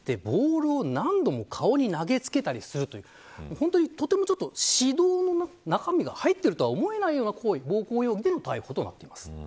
本当にとても指導の中身が入っているとは思えないような行為暴行容疑での逮捕となってます。